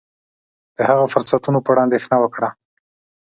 د هغه فرصتونو په اړه اندېښنه وکړه.